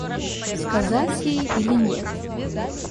Сказать ей или нет?